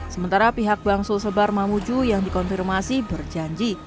sementara pihak bang sul sebar mamuju yang dikonfirmasi berjanji